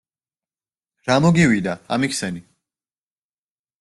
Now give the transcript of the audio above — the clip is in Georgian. რა მოგივიდა, ამიხსენი!